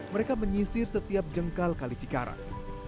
mereka menyisir setiap jengkal kali cikarang